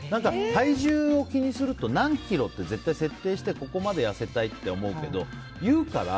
体重を気にすると何キロって絶対設定してここまで痩せたいって思うけど言うから。